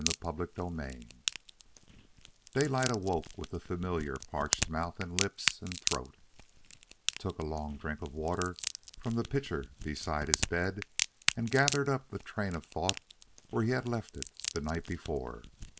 CHAPTER XXII Daylight awoke with the familiar parched mouth and lips and throat, took a long drink of water from the pitcher beside his bed, and gathered up the train of thought where he had left it the night before.